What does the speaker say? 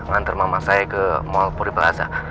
ngantar mama saya ke mall purwilasa